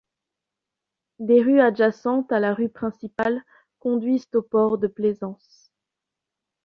De rues adjacentes à la rue principale conduisent au port de plaisance.